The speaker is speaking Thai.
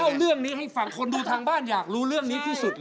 เล่าเรื่องนี้ให้ฟังคนดูทางบ้านอยากรู้เรื่องนี้ที่สุด